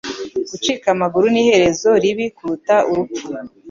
Gucika amaguru ni iherezo ribi kuruta urupfu